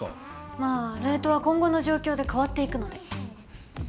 まあレートは今後の状況で変わっていくので。